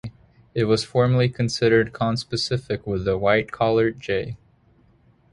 It was formerly considered conspecific with the white-collared jay.